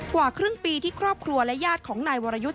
กว่าครึ่งปีที่ครอบครัวและญาติของนายวรยุทธ์